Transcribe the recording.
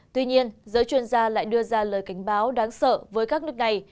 tuy nhiên giới chuyên gia lại đưa ra lời cảnh báo đáng sợ với các nước này